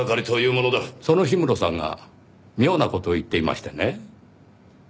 その氷室さんが妙な事を言っていましてね。